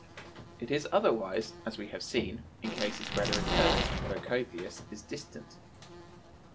It is otherwise, as we have seen, in cases where the return, though copious, is distant.